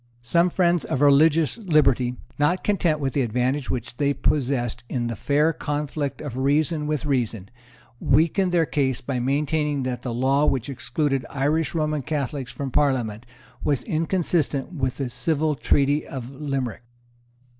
Some friends of religious liberty, not content with the advantage which they possessed in the fair conflict of reason with reason, weakened their case by maintaining that the law which excluded Irish Roman Catholics from Parliament was inconsistent with the civil Treaty of Limerick.